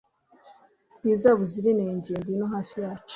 bwiza buzira inenge ngwino hafi yacu